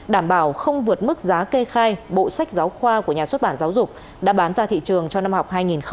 đảm bảo không vượt mức giá kê khai bộ sách giáo khoa của nhà xuất bản giáo dục đã bán ra thị trường cho năm học hai nghìn một mươi chín hai nghìn hai mươi